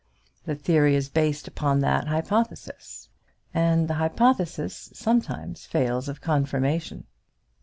The theory is based upon that hypothesis; and the hypothesis sometimes fails of confirmation.